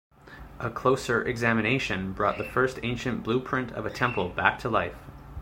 A closer examination brought the first ancient blueprint of a temple back to life.